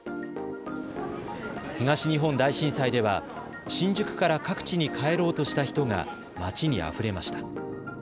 東日本大震災では新宿から各地に帰ろうとした人が街にあふれました。